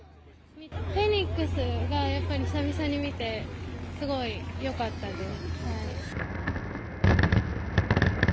フェニックスがやっぱり久々に見て、すごいよかったです。